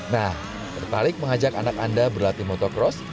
nah tertarik mengajak anak anda berlatih motocross